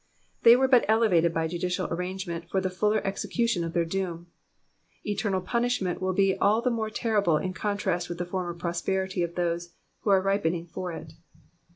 They were but elevated by judicial arrangement for the fuller execution of their doom. Eternal punishment will be all the more terrible in contrast with the former prosperity of those who aie ripening for it.